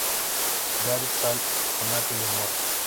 Jared sale con Natalie Morris.